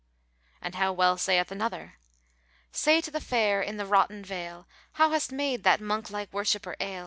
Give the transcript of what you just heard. "[FN#453] And how well saith another, "Say to the fair in the wroughten veil * How hast made that monk like worshipper ail?